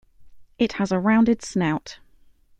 It has a rounded snout.